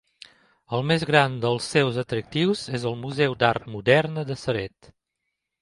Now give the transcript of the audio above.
El més gran dels seus atractius és el Museu d'Art Modern de Ceret.